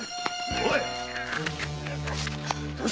⁉おい！